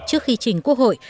trước khi chỉnh quốc hội